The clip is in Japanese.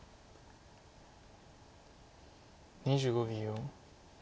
２５秒。